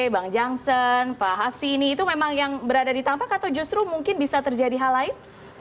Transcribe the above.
bang jansen pak hapsi ini itu memang yang berada di tampak atau justru mungkin bisa terjadi hal lain